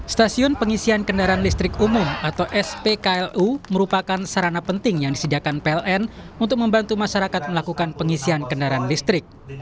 stasiun pengisian kendaraan listrik umum atau spklu merupakan sarana penting yang disediakan pln untuk membantu masyarakat melakukan pengisian kendaraan listrik